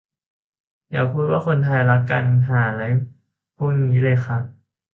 อย่าพูดว่าคนไทยรักกัน ห่าอะไรพวกนี้เลยครับ